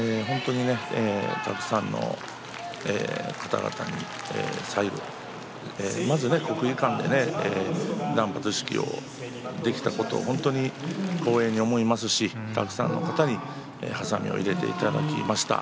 お客さんの方々に最後国技館で断髪式をできたことをまず光栄に思いますしたくさんの方にはさみを入れていただきました。